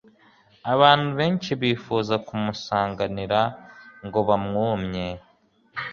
abantu benshi bifuza kumusanganira ngo bamwumye.